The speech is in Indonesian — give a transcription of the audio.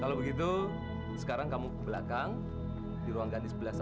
kalau begitu sekarang kamu ke belakang di ruang ganti sebelah sana